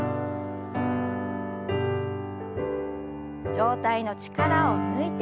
上体の力を抜いて前。